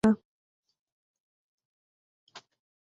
আর কিছু কথা হইল না।